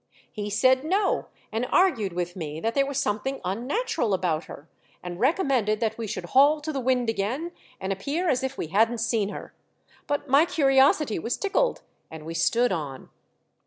He said 'No,' and argued with me that there was something unnatural about her, and recommended that we should haul to the I AM ALONE. 513 wind again and appear as if we hadn't seen her, but my curiosity was tickled and we stood on.